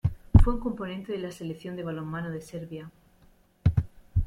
Fue un componente de la Selección de balonmano de Serbia.